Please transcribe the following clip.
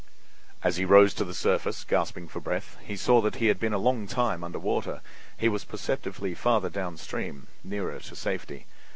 As he rose to the surface, gasping for breath, he saw that he had been a long time under water; he was perceptibly farther downstream—nearer to safety.